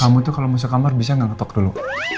kamu tuh kalau mau sekamar bisa gak ketok dulu